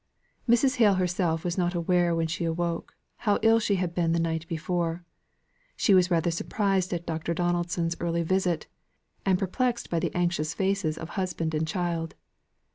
Mrs. Hale herself was not aware when she awoke, how ill she had been the night before. She was rather surprised at Dr. Donaldson's early visit, and perplexed by the anxious faces of husband and child.